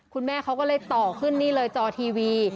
คุณแม่เขาก็เลยต่อขึ้นนี่เลยจอทีวี